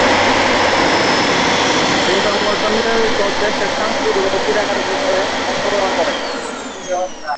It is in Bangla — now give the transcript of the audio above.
এ সংগঠন নিয়মিত দেশের সাংস্কৃতিক ও ক্রীড়া কার্যক্রমে অংশগ্রহণ করে।